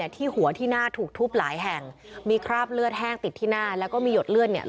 ที่หัวที่หน้าถูกทุบหลายแห่งมันมีครอบเลือดแห้งติดอยู่ที่หน้า